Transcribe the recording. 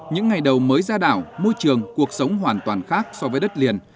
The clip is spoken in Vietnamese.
những ngày đầu mới ra đảo môi trường cuộc sống hoàn toàn khác so với đất liền